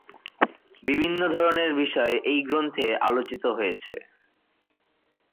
বিভিন্ন ধরনের বিষয় এই গ্রন্থে আলোচিত হয়েছে।